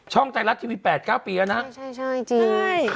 ช่องใจรัดทีวี๘๙ปีแล้วนะใช่จริง